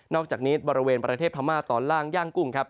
อกจากนี้บริเวณประเทศพม่าตอนล่างย่างกุ้งครับ